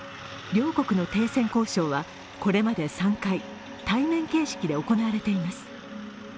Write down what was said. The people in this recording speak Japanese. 両国の停戦交渉はこれまで３回対面形式で行われています。